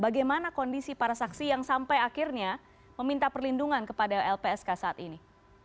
bagaimana kondisi para saksi yang sampai akhirnya meminta perlindungan kepada lpsk saat ini